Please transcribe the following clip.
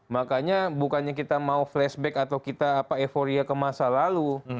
makanya bukannya kita mau flashback atau kita euforia ke masa lalu